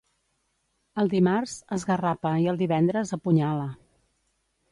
El dimarts esgarrapa i el divendres apunyala.